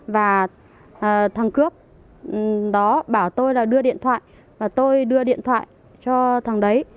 và thằng cướp đó bảo tôi là đưa điện thoại và tôi đưa điện thoại cho thằng đấy